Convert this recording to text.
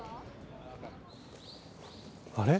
あれ？